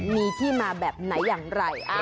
มีที่มาแบบไหนอย่างไร